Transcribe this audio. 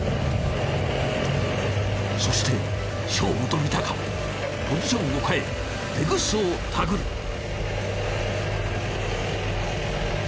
そして勝負と見たかポジションを変えテグスを手繰る。